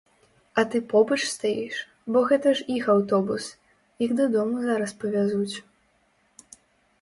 А ты побач стаіш, бо гэта ж іх аўтобус, іх дадому зараз павязуць.